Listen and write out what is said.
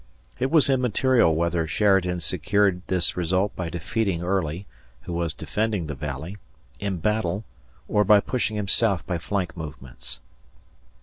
It was immaterial whether Sheridan secured this result by defeating Early who was defending the Valley in battle or by pushing him south by flank movements.